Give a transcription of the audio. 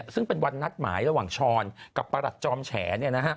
ซึ่งเป็นวันนัดหมายระหว่างช้อนกับประหลัดจอมแฉ